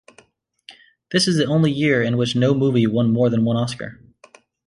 This is the only year in which no movie won more than one Oscar.